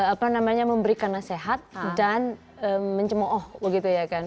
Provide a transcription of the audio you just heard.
apa namanya memberikan nasihat dan mencemooh begitu ya kan